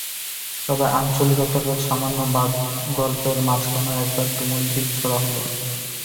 তবে আঞ্চলিকতাটা সামান্য বাদ গল্পের মাঝখানেও একবার তুমুল ঢিল ছোঁড়া হল।